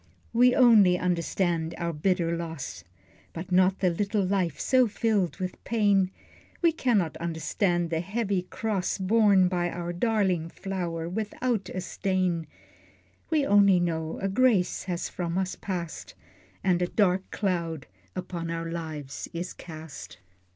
We only understand our bitter loss, But not the little life so filled with pain, We cannot understand the heavy cross Borne by our darling flower without a stain: We only know a grace has from us passed, And a dark cloud upon our lives is cast.